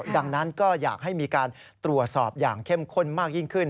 ดังนั้นก็อยากให้มีการตรวจสอบอย่างเข้มข้นมากยิ่งขึ้น